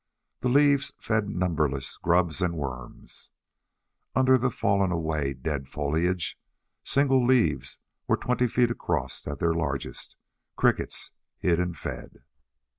The leaves fed numberless grubs and worms. Under the fallen away dead foliage single leaves were twenty feet across at their largest crickets hid and fed.